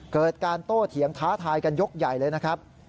เกิดการโต้เถียงท้าทายกันยกใหญ่เลยนะครับ